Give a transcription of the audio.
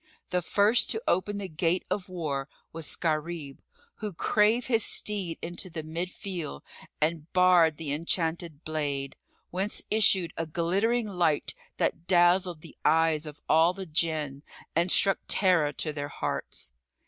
The first to open the gate of war was Gharib, who drave his steed into the mid field and bared the enchanted blade, whence issued a glittering light that dazzled the eyes of all the Jinn and struck terror to their hearts.